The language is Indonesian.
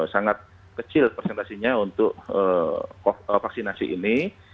sangat kecil presentasinya untuk vaksinasi ini